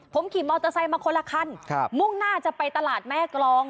ผมขี่มอเตอร์ไซค์มาคนละคันมุ่งหน้าจะไปตลาดแม่กรอง